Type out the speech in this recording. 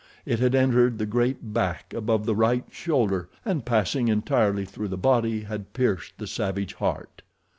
It had entered the great back above the right shoulder, and, passing entirely through the body, had pierced the savage heart.